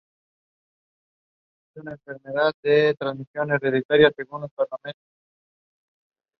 En la batalla murió el estratego Calias.